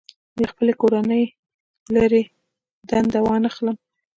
له خپلې کورنۍ لرې دنده وانخلم.